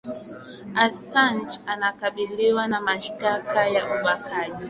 asanj anakabiliwa na mashitaka ya ubakaji